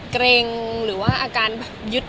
เกร็งหรือว่าอาการแบบยึด